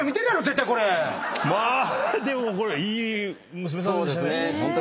まあでもこれいい娘さん。